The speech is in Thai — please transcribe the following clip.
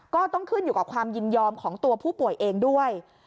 ก็ต้องขึ้นอยู่กับความยินยอมของตัวผู้ป่วยเองด้วย